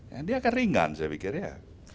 ya dia kan ringan saya pikir ya